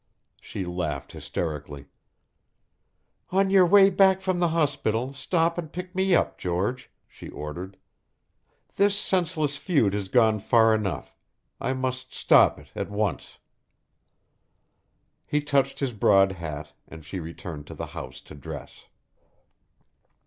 She laughed hysterically. "On your way back from the hospital stop and pick me up, George," she ordered. "This senseless feud has gone far enough. I must stop it at once." He touched his broad hat, and she returned to the house to dress.